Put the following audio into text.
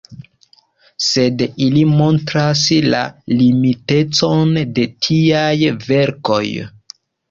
Sed ili montras la limitecon de tiaj verkoj.